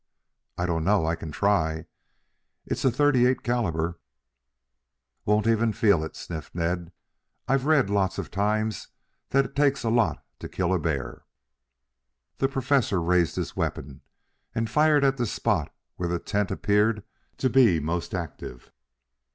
"I don't know. I can try. It's a thirty eight calibre." "Won't even feel it," sniffed Ned. "I've read lots of times that it takes a lot to kill a bear." The Professor raised his weapon and fired at the spot where the tent appeared to be most active.